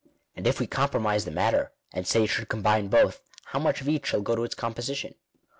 And if we compromise the matter, and say it should combine both, how muoh of each shall go to its com position